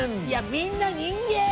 いやみんな人間！